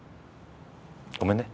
ごめんね。